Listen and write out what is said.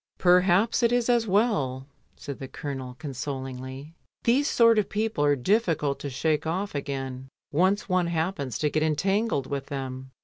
"Perhaps it is as well," said the Colonel con solingly. "These sort of people are difficult to shake off again once one happens to get entangled with them."